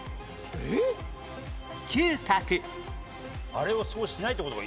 あれをそうしないって事か。